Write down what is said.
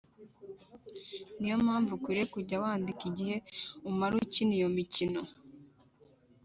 Ni yo mpamvu ukwiriye kujya wandika igihe umara ukina iyo mikino